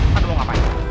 pada mau ngapain